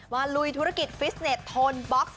ลุยธุรกิจฟิสเน็ตโทนบ็อกซ์